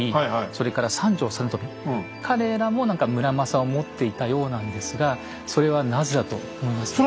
それから三条実美彼らも何か村正を持っていたようなんですがそれはなぜだと思いますか？